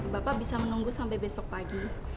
bapak bisa menunggu sampai besok pagi